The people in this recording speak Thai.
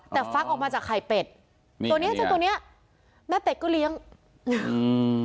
แต่ฟักออกมาจากไข่เป็ดนี่ตัวเนี้ยเจ้าตัวเนี้ยแม่เป็ดก็เลี้ยงอืม